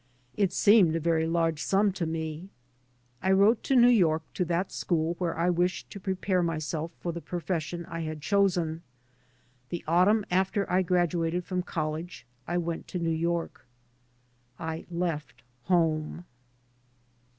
It seemed a very large sum to me. I wrote to New York to that school where I wished to prepare myself for the profession I had chosen. The autumn after I graduated from college I went to New York. I left home.